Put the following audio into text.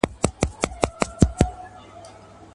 په کهاله کي د مارانو شور ماشور سي.